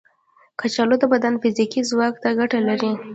کچالو د بدن فزیکي ځواک ته ګټه لري.